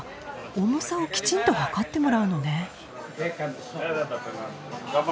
重さをきちんと量ってもらうのね。